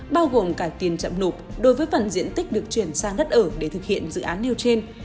bao gồm cả tiền chậm nộp đối với phần diện tích được chuyển sang đất ở để thực hiện dự án nêu trên